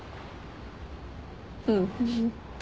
うん。